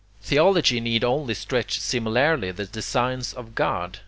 Theology need only stretch similarly the designs of God.